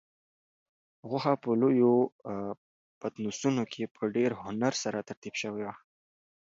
غوښه په لویو پتنوسونو کې په ډېر هنر سره ترتیب شوې وه.